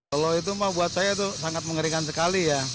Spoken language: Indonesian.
kalau itu buat saya sangat mengerikan sekali ya